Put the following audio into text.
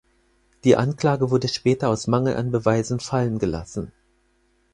Die Anklage wurde später aus Mangel an Beweisen fallen gelassen.